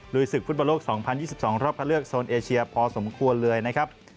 ศึกฟุตบอลโลก๒๐๒๒รอบเข้าเลือกโซนเอเชียพอสมควรเลยนะครับ